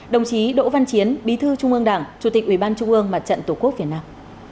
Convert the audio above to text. đồng chí đỗ văn chiến bí thư trung ương đảng chủ tịch ubnd mặt trận tổ quốc việt nam